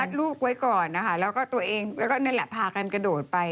มัดลูกไว้ก่อนแล้วก็ตัวเองพากันกระโดดไป